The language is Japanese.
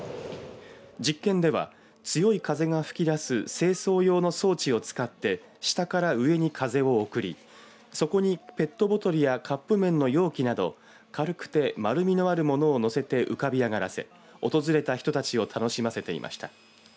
実験では強い風が吹き出す清掃用の装置を使って下から上に風を送り底にペットボトルやカップめんの容器など軽くて丸みのあるものをのせて浮かび上がらせ訪れた人たちを楽しませていました。